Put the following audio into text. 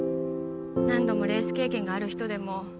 何度もレース経験がある人でも